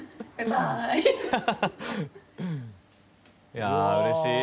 いやうれしい。